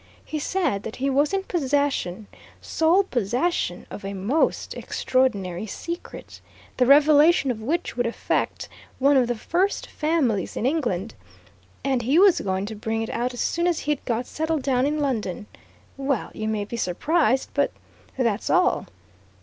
He said that he was in possession sole possession of a most extraordinary secret, the revelation of which would affect one of the first families in England, and he was going to bring it out as soon as he'd got settled down in London. Well you may be surprised, but that's all."